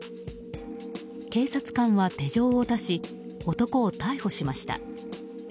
警察官は手錠を出し男を逮捕しました。